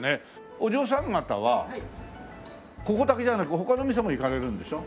お嬢さん方はここだけじゃなく他の店も行かれるんでしょ？